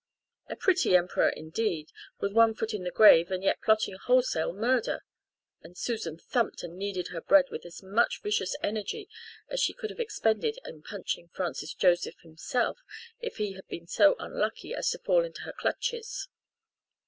A pretty Emperor indeed with one foot in the grave and yet plotting wholesale murder" and Susan thumped and kneaded her bread with as much vicious energy as she could have expended in punching Francis Joseph himself if he had been so unlucky as to fall into her clutches.